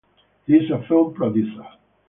He is a film producer.